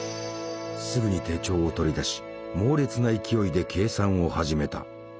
すぐに手帳を取り出し猛烈な勢いで計算を始めた。